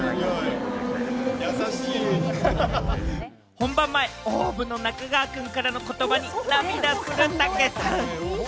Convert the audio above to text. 本番前、ＯＷＶの中川くんからの言葉に涙するたけたん。